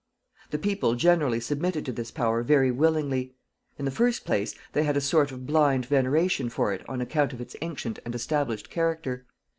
The people generally submitted to this power very willingly. In the first place, they had a sort of blind veneration for it on account of its ancient and established character.